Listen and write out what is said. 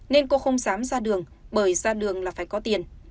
nên cô không dám ra đường bởi ra đường là phải có tiền